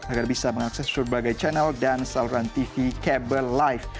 agar bisa mengakses berbagai channel dan saluran tv kabel live